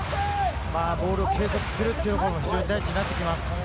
ボールを継続するってことが大事になってきます。